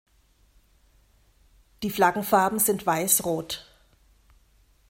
Die Flaggenfarben sind Weiß-Rot.